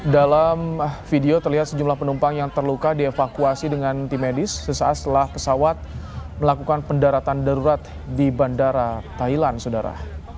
dalam video terlihat sejumlah penumpang yang terluka dievakuasi dengan tim medis sesaat setelah pesawat melakukan pendaratan darurat di bandara thailand saudara